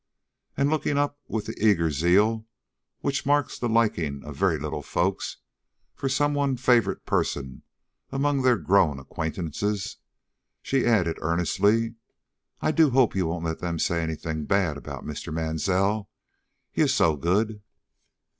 And, looking up with that eager zeal which marks the liking of very little folks for some one favorite person among their grown acquaintances, she added, earnestly: "I do hope you won't let them say any thing bad about Mr. Mansell, he is so good."